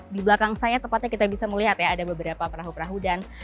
di belakang saya tepatnya kita bisa melihat beberapa perahu perahu